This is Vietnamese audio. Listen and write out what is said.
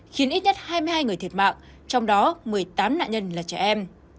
khiến ít nhất hai mươi hai người thiệt mạng trong đó một mươi tám nạn nhân là trẻ em